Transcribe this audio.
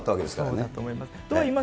そうだと思います。